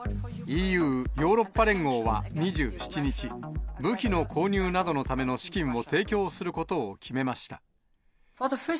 ＥＵ・ヨーロッパ連合は、２７日、武器の購入などのための資金を提供することを決めました。